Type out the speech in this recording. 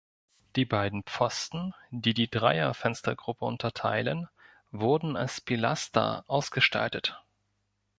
Die beiden Pfosten, die die Dreier-Fenstergruppe unterteilen, wurden als Pilaster ausgestaltet.